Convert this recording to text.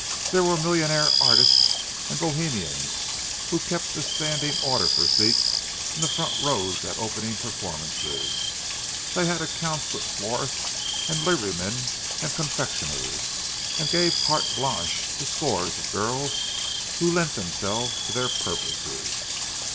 There were millionaire artists and bohemians who kept a standing order for seats in the front rows at opening performances; they had accounts with florists and liverymen and confectioners, and gave carte blanche to scores of girls who lent themselves to their purposes.